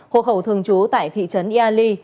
hộ khẩu thường trú tại thị trấn yali